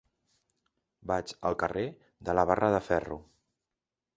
Vaig al carrer de la Barra de Ferro.